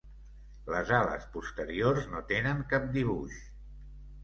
Les ales posteriors no tenen cap dibuix.